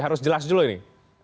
harus jelas dulu ini